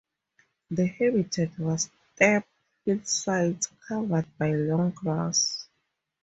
The habitat was steep hillsides covered by long grass.